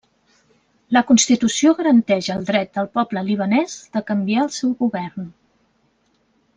La Constitució garanteix el dret del poble libanès de canviar el seu govern.